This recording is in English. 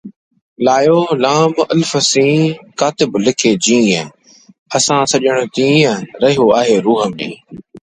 However, the crusade failed to achieve the conversion of most of the Wends.